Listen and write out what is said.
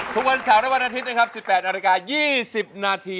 ทุกวันเสาร์และวันอาทิตย์นะครับ๑๘นาฬิกา๒๐นาที